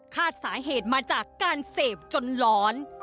สาเหตุมาจากการเสพจนร้อน